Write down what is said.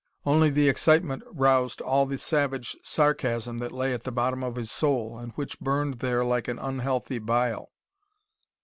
Only the excitement roused all the savage sarcasm that lay at the bottom of his soul, and which burned there like an unhealthy bile.